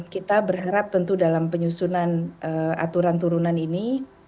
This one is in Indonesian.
kita berharap tentu dalam penyusunan aturan turunan ini